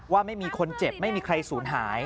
ว่าไม่มีคนเจ็บไม่มีใครสูญหาย